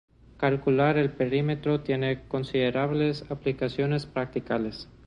Calcular el perímetro tiene considerables aplicaciones prácticas.